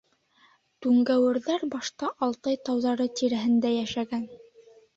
Түңгәүерҙәр башта Алтай тауҙары тирәһендә йәшәгән.